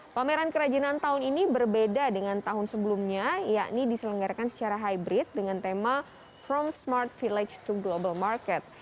pameran kerajinan tahun ini berbeda dengan tahun sebelumnya yakni diselenggarakan secara hybrid dengan tema from smart village to global market